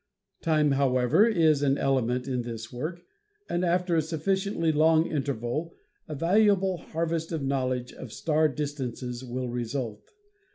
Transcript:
Time, however, is an element in this work, and after a sufficiently long interval a valuable harvest of knowledge of star distances will result.